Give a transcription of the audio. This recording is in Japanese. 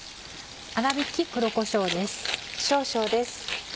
粗びき黒こしょうです。